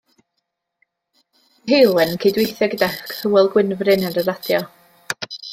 Bu Heulwen yn cydweithio gyda Hywel Gwynfryn ar y radio.